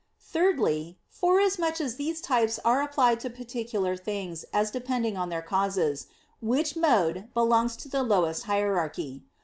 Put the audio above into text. Thirdly, forasmuch as these types are applied to particular things as depending on their causes; which mode belongs to the lowest hierarchy.